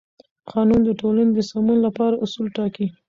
قانون د ټولنې د سمون لپاره اصول ټاکي.